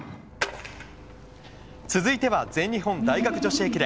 続いては、全日本大学女子駅伝。